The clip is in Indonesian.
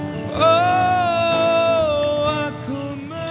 oh aku menangis